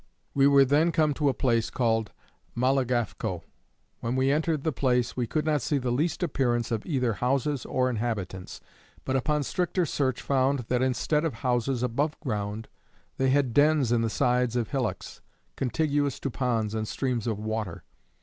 We were then come to a place called Malagafco. When we entered the place we could not see the least appearance of either houses or inhabitants, but upon stricter search found, that instead of houses above ground they had dens in the sides of hillocks, contiguous to ponds and streams of water.